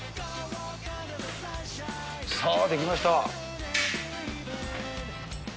さあ、出来ました。